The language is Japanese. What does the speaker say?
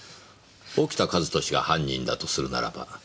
沖田一俊が犯人だとするならば疑問が１つ。